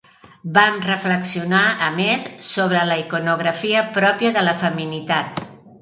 Van reflexionar, a més, sobre la iconografia pròpia de la feminitat.